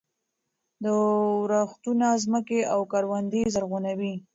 ورښتونه ځمکې او کروندې زرغونوي.